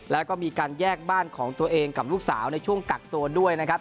แล้วก็มีการแยกบ้านของตัวเองกับลูกสาวในช่วงกักตัวด้วยนะครับ